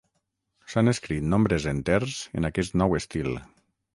S'han escrit nombres enters en aquest nou estil.